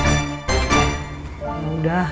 yaudah mp bikin kopi dulu ya